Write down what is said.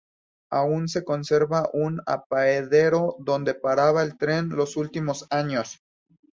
Aún se conserva un apeadero donde paraba el tren los últimos años.